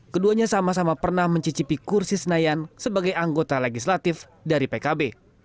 keduanya sama sama pernah mencicipi kursi senayan sebagai anggota legislatif dari pkb